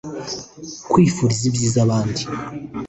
kwifuriza ibyiza abandi